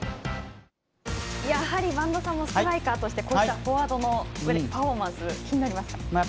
やはり播戸さんもストライカーとしてこうしたフォワードのパフォーマンス気になりますか？